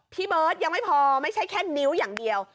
พี่เบิร์ตยังไม่พอไม่ใช่แค่นิ้วอย่างเดียว